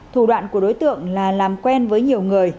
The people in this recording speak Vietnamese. thủ đoạn của đối tượng là làm quen với nhiều người